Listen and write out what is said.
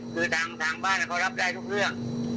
คือทางบ้านเขารับได้ทุกเรื่อง